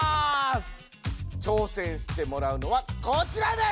ちょうせんしてもらうのはこちらです。